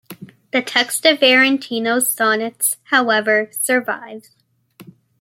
The text of Aretino's sonnets, however, survives.